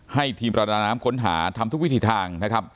ทีมประดาน้ำค้นหาทำทุกวิถีทางนะครับ